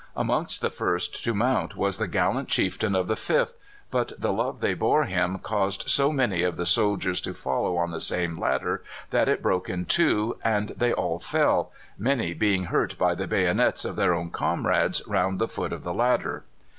Amongst the first to mount was the gallant chieftain of the 5th, but the love they bore him caused so many of the soldiers to follow on the same ladder that it broke in two, and they all fell, many being hurt by the bayonets of their own comrades round the foot of the ladder.